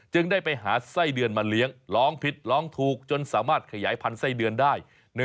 ได้ไปหาไส้เดือนมาเลี้ยงร้องผิดร้องถูกจนสามารถขยายพันธุ์ไส้เดือนได้